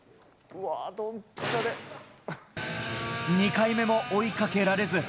２回目も追いかけられず。